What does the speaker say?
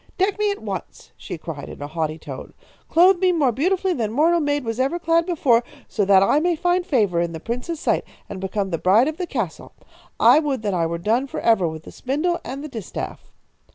"'Deck me at once!' she cried, in a haughty tone. 'Clothe me more beautifully than mortal maid was ever clad before, so that I may find favour in the prince's sight and become the bride of the castle. I would that I were done for ever with the spindle and the distaff.'